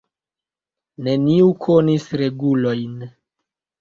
Neniu konis regulojn.